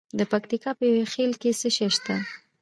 د پکتیکا په یحیی خیل کې څه شی شته؟